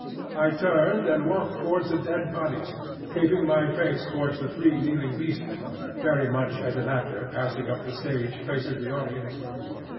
I turned and walked towards the dead bodies, keeping my face towards the three kneeling Beast Men, very much as an actor passing up the stage faces the audience.